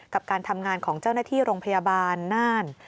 กับการทำงานของเจ้าหน้าที่โรงพยาบาลน่าน